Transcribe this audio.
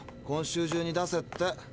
今週中に出せって。